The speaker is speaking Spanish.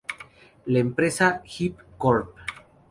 La empresa "Hip Corp.